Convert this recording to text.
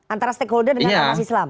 antara stakeholder dengan ormas islam